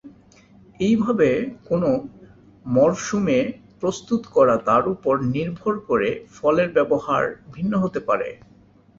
এইভাবে কোন মরসুমে প্রস্তুত করা তার উপর নির্ভর করে ফলের ব্যবহার ভিন্ন হতে পারে।